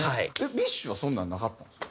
ＢｉＳＨはそんなんなかったんですか？